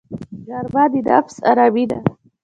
غرمه د نفس آرامي ده